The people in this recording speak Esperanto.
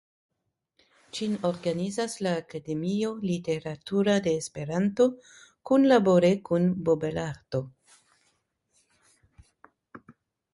Ĝin organizas la Akademio Literatura de Esperanto kunlabore kun Bobelarto.